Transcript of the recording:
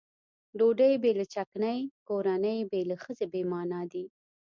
ډوډۍ بې له چکنۍ کورنۍ بې له ښځې بې معنا دي.